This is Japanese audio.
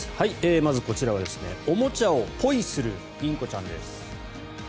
まずこちらはおもちゃをポイするインコちゃんです。